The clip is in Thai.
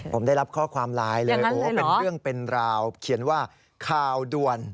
ผมได้รับข้อความไลน์เลยโอ้เป็นเรื่องเป็นราวเขียนว่าข่าวด่วน